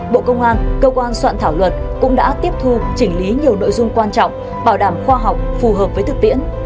bộ công an cơ quan soạn thảo luật cũng đã tiếp thu chỉnh lý nhiều nội dung quan trọng bảo đảm khoa học phù hợp với thực tiễn